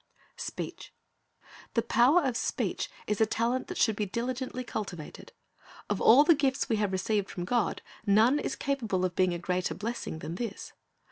SPEECH The power of speech is a talent that should be diligently cultivated. Of all the gifts we have received from God, none is capable of being a greater blessing than this.